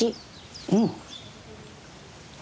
うん。